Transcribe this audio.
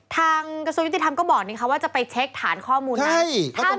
กระทรวงยุติธรรมก็บอกว่าจะไปเช็คฐานข้อมูลไหน